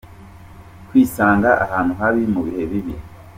kwisanga ahantu habi mu bihe bibi